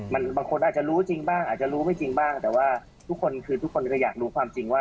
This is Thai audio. มันบางคนอาจจะรู้จริงบ้างอาจจะรู้ไม่จริงบ้างแต่ว่าทุกคนคือทุกคนก็อยากรู้ความจริงว่า